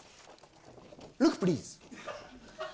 ルックプリーズ。